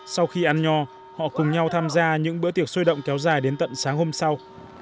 sau khi ăn nho họ cùng nhau tham gia những bữa tiệc sôi động kéo dài đến tận sáng hôm sau